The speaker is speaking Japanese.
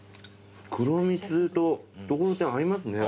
黒蜜とところてん合いますね。